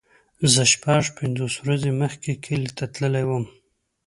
زه شپږ پنځوس ورځې مخکې کلی ته تللی وم.